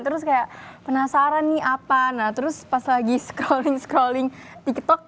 terus kayak penasaran nih apa nah terus pas lagi scaling scaling tiktok